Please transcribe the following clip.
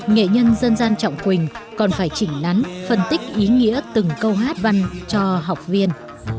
nghệ nhân dân gian trọng quỳnh còn phải chỉnh nắn phân tích ý nghĩa từng câu hát văn cho học viên